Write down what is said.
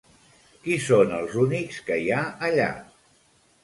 Qui són els únics que hi ha allà?